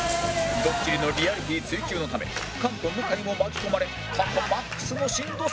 ドッキリのリアリティー追求のため菅と向井も巻き込まれ過去マックスのしんどさに